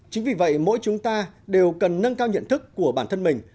chính vì vậy mỗi chúng ta đều cần nâng cao nhận thức của bản thân mình